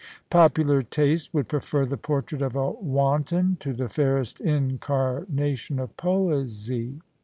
Popular taste would prefer the portrait of a wanton to the fairest incarnation of poesy.